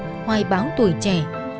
những ước mơ hoài báo tuổi trẻ